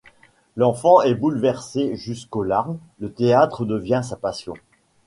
L'enfant est bouleversé jusqu'aux larmes, le théâtre devient sa passion.